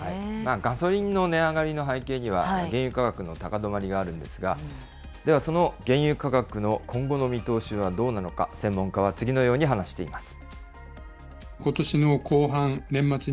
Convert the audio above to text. ガソリンの値上がりの背景には、原油価格の高止まりがあるんですが、ではその原油価格の今後の見通しはどうなのか、専門家は次のように話しています。